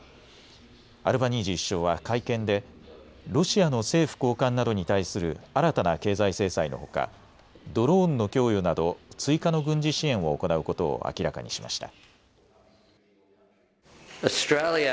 アルバニージー首相は会見でロシアの政府高官などに対する新たな経済制裁のほかドローンの供与など追加の軍事支援を行うことを明らかにしました。